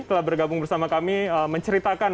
telah bergabung bersama kami menceritakan